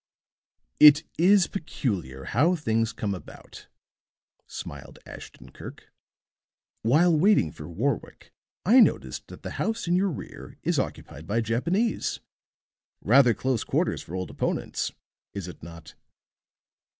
"It is peculiar how things come about," smiled Ashton Kirk. "While waiting for Warwick I noticed that the house in your rear is occupied by Japanese. Rather close quarters for old opponents, is it not?"